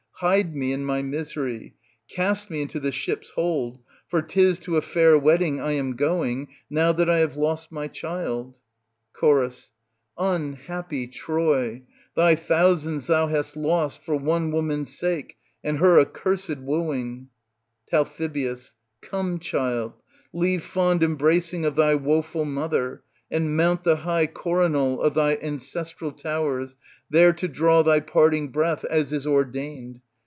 Hide me and my misery ; cast me into the ship's hold ; for 'tis to a fair wed ding I am going, now that I have lost my child ! Cho. Unhappy Troy ! thy thousands thou hast lost for one woman's s^e and her accursed wooing. Tal. Come, child, leave fond embracing of thy wofiil mother, and mount the high coronal of thy ancestral towers, there to draw thy parting breath, as is ordained.